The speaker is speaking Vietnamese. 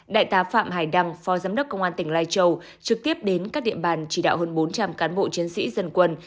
đại tá phạm hải đăng phó giám đốc công an tỉnh lai châu trực tiếp đến các địa bàn chỉ đạo hơn bốn trăm linh cán bộ chiến sĩ dân quân